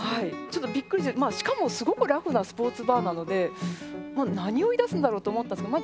ちょっとびっくりしてしかもすごくラフなスポーツバーなので何を言いだすんだろうと思ったんですけど